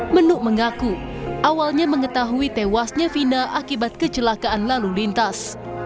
menuk mengaku awalnya mengetahui tewasnya vina akibat kecelakaan lalu lintas